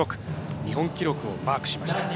日本記録をマークしました。